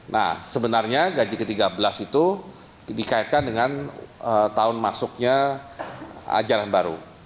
nah sebenarnya gaji ke tiga belas itu dikaitkan dengan tahun masuknya ajaran baru